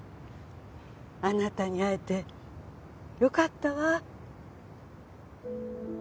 あなたに会えてよかったわ。